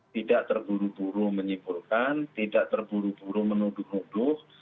tidak terburu buru menyimpulkan tidak terburu buru menuduh nuduh